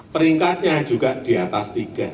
peringkatnya juga di atas tiga